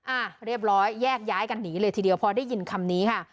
อ่ะเรียบร้อยแยกย้ายกันหนีเลยทีเดียวพอได้ยินคำนี้ค่ะ